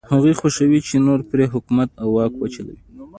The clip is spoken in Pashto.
هغوی خوښوي چې نور پرې حکومت او واک وچلوي.